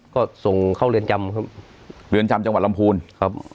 ก็ส่งเข้าเรือนจำครับเรือนจำจังหวัดลำพูนครับ